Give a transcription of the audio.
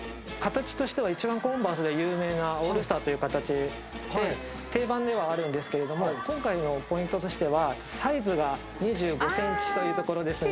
形としては、コンバースで一番有名なオールスターという形で、定番ではあるんですけれど、今回のポイントとしては、サイズが２５ｃｍということで。